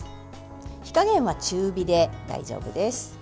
火加減は中火で大丈夫です。